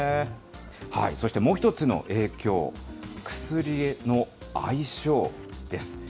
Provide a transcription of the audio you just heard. そしてもう一つの影響、薬の相性です。